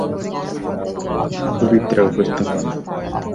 পবিত্রা, উপস্থাপনা।